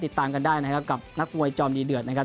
ติดตามกันได้นะครับกับนักมวยจอมดีเดือดนะครับ